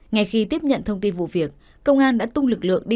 ngày khi tiếp nhận thông tin vụ việc công an đã tung lực lượng đi tìm